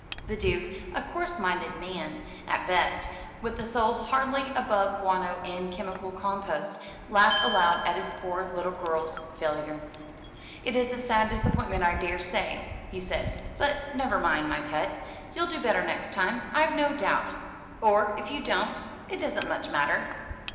The Duke, a coarse minded man, at best, with a soul hardly above guano and chemical composts, laughed aloud at his poor little girl's failure. "It's a sad disappointment, I daresay," he said, "but never mind, my pet, you'll do better next time, I've no doubt. Or if you don't, it doesn't much matter.